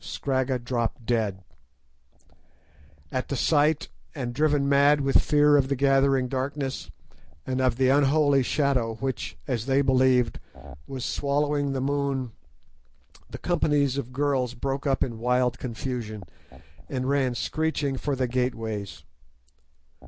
Scragga dropped dead. At the sight, and driven mad with fear of the gathering darkness, and of the unholy shadow which, as they believed, was swallowing the moon, the companies of girls broke up in wild confusion, and ran screeching for the gateways.